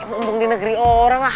mumpung di negeri orang lah